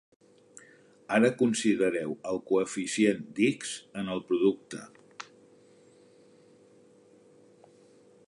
Ara considereu el coeficient d'"x" en el producte.